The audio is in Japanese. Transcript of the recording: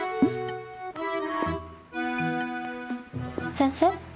先生？